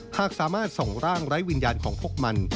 หากสามารถส่งร่างไร้วิญญาณของพวกมัน